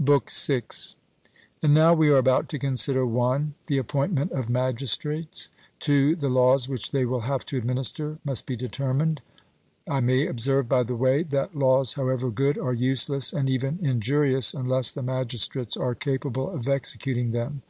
BOOK VI. And now we are about to consider (1) the appointment of magistrates; (2) the laws which they will have to administer must be determined. I may observe by the way that laws, however good, are useless and even injurious unless the magistrates are capable of executing them.